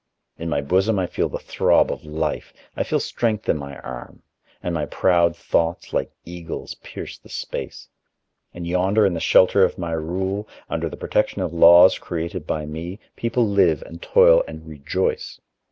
In my bosom I feel the throb of life; I feel strength in my arm, and my proud thoughts, like eagles, pierce the space. And yonder in the shelter of my rule, under the protection of laws created by me, people live and toil and rejoice.